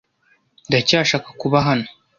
Ndacyashaka kuba hano .